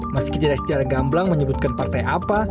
meski tidak secara gamblang menyebutkan partai apa